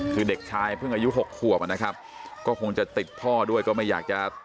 คือเด็กชายเพิ่งอายุ๖ขวบนะครับก็คงจะติดพ่อด้วยก็ไม่อยากจะ